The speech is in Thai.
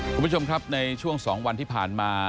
คุณผู้ชมครับในช่วง๒วันที่ผ่านมา